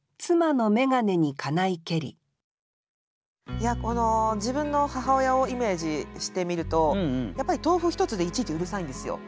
いやこの自分の母親をイメージしてみるとやっぱり豆腐一つでいちいちうるさいんですよ。